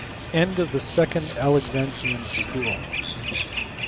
End of the second Alexandrian School.